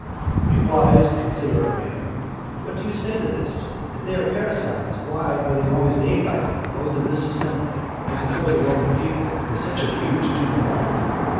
You wise and considerate man, what do you say to this? If they are parricides, why are they always named by you, both in this assembly and before the Roman people, with a view to do them honour?